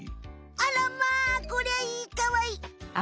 あらまこりゃいいかわいい！